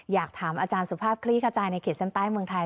อยากถามอาจารย์สุภาพคลี่ขจายในขีดเส้นใต้เมืองไทย